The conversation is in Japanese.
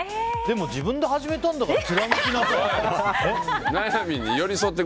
自分で始めたんだから貫きなさいよ。